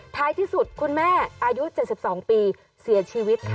ท้ายที่สุดคุณแม่อายุ๗๒ปีเสียชีวิตค่ะ